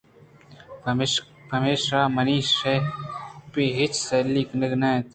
پمیشا منا شپی ہچ سِلّی کنگی نہ اِنت